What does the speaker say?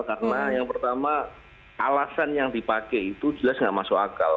karena yang pertama alasan yang dipakai itu jelas tidak masuk akal